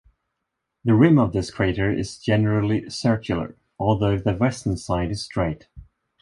The rim of this crater is generally circular, although the western side is straight.